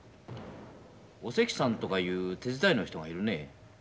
おせきさんとかいう手伝いの人がいるね？